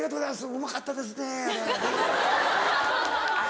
うまかったですねあれ」。